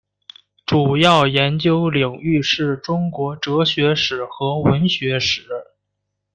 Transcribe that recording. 主要研究领域是中国哲学史和文学史。